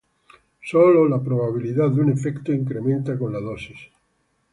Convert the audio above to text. Solo la probabilidad de un efecto incrementa con la dosis.